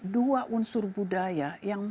dua unsur budaya yang